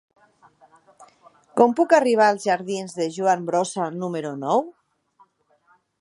Com puc arribar als jardins de Joan Brossa número nou?